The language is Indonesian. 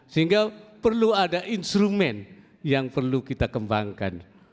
sehingga perlu ada instrumen yang perlu kita kembangkan